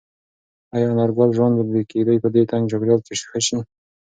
ایا د انارګل ژوند به د کيږدۍ په دې تنګ چاپېریال کې ښه شي؟